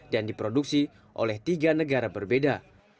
dan diproduksi oleh tiga negara berbeda